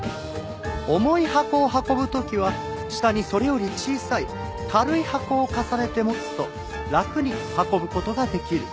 重い箱を運ぶ時は下にそれより小さい軽い箱を重ねて持つと楽に運ぶ事ができる。